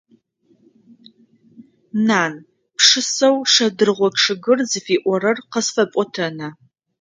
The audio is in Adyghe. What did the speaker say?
Нан! Пшысэу «Шэдыргъо чъыгыр» зыфиӀорэр къысфэпӀотэна?